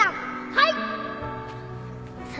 はい